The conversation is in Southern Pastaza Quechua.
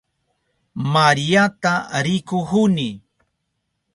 Mariata rikuhuni.